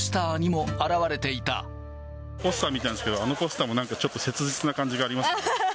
その気持ちは、ポスター見たんですけど、あのポスターもなんかちょっと切実な感じがありますね。